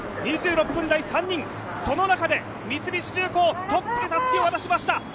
２６分台が３人、その中で三菱重工、トップでたすきを渡しました。